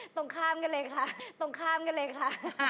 ตรงข้ามกันเลยค่ะตรงข้ามกันเลยค่ะ